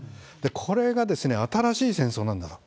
これが新しい戦争なんだと。